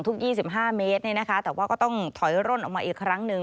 ๒๕เมตรแต่ว่าก็ต้องถอยร่นออกมาอีกครั้งหนึ่ง